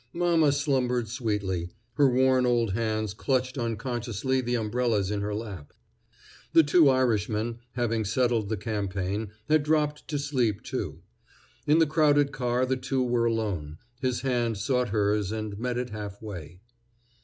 Mama slumbered sweetly; her worn old hands clutched unconsciously the umbrellas in her lap. The two Irishmen, having settled the campaign, had dropped to sleep, too. In the crowded car the two were alone. His hand sought hers and met it half way.